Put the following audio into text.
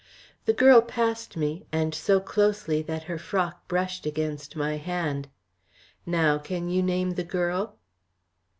The girl passed me, and so closely that her frock brushed against my hand. Now, can you name the girl?"